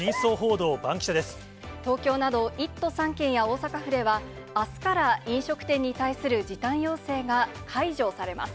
東京など１都３県や大阪府では、あすから飲食店に対する時短要請が解除されます。